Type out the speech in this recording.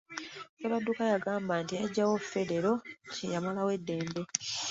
Ssebadduka yagamba nti eyaggyawo ffedero ye yamalawo eddembe.